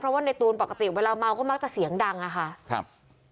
เพราะว่าในตูนปกติเวลาเมาก็มักจะเสียงดังอะค่ะครับ